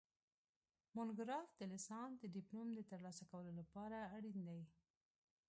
مونوګراف د لیسانس د ډیپلوم د ترلاسه کولو لپاره اړین دی